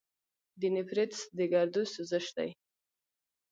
د نیفریټس د ګردو سوزش دی.